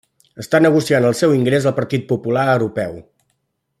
Està negociant el seu ingrés al Partit Popular Europeu.